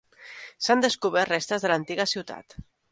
S'han descobert restes de l'antiga ciutat.